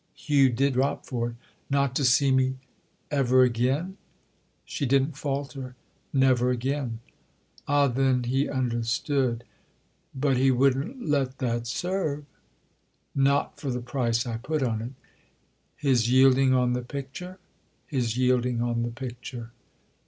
—Hugh did drop for it. "Not to see me—ever again?" She didn't falter. "Never again." Ah then he understood. "But he wouldn't let that serve——?" "Not for the price I put on it." "His yielding on the picture?" "His yielding on the picture."